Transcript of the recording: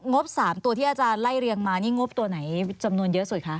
บ๓ตัวที่อาจารย์ไล่เรียงมานี่งบตัวไหนจำนวนเยอะสุดคะ